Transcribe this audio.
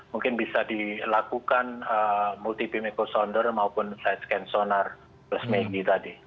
mungkin bisa dilakukan multi beam echo sounder maupun side scan sonar plus maggie tadi